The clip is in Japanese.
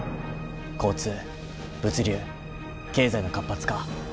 交通物流経済の活発化。